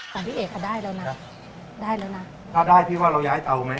ของพี่เอกค่ะได้แล้วนะได้แล้วนะถ้าได้พี่ว่าเราย้ายเตาไหม